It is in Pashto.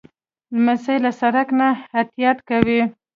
لمسی له سړک نه احتیاط کوي.